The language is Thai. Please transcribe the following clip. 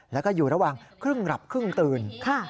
แล้วก็อยู่ระหว่างครึ่งหลับครึ่งตื่น